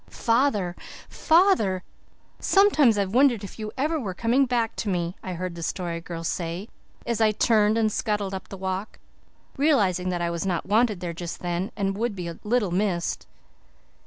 "Father father sometimes I've wondered if you were ever coming back to me," I heard the Story Girl say, as I turned and scuttled up the Walk, realizing that I was not wanted there just then and would be little missed.